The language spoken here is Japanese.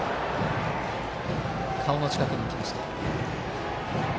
顔の近くに来ました。